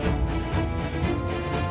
jangan lupa untuk berlangganan